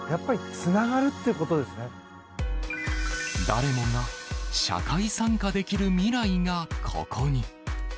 誰もが社会参加ができる未来がここに。